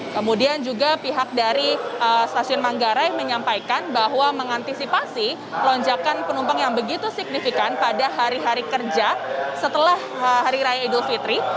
kemudian juga pihak dari stasiun manggarai menyampaikan bahwa mengantisipasi lonjakan penumpang yang begitu signifikan pada hari hari kerja setelah hari raya idul fitri